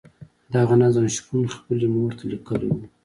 دغه نظم شپون خپلې مور ته لیکلی وو.